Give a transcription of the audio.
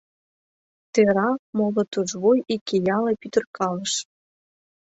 Тӧра, моло тужвуй ик ияла пӱтыркалышт.